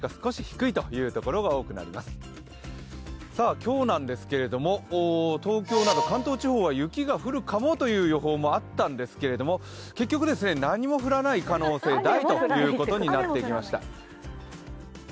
今日なんですけれども、関東地方は雪が降るかもという予報もあったんですけれども、結局、何も降らない可能性大ということになってきました。